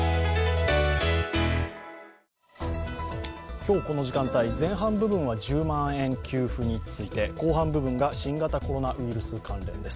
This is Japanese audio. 今日、この時間帯前半部分は１０万円給付について後半部分が新型コロナウイルス関連です。